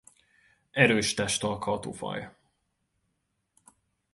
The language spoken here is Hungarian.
Erős testalkatú faj.